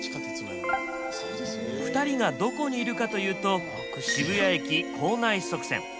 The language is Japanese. ２人がどこにいるかというと渋谷駅構内側線。